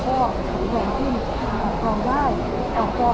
คล้องคล้องมาต้องอย่างคล้างเหมือนคล้องเดิน